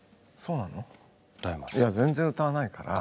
いや全然歌わないから。